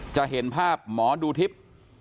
จะเห็นภาพหมอดูทิพย์